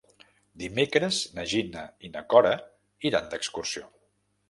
Dimecres na Gina i na Cora iran d'excursió.